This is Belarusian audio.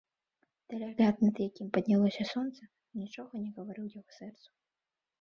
Далягляд, над якім паднялося сонца, нічога не гаварыў яго сэрцу.